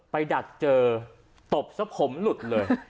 ดักเจอตบซะผมหลุดเลย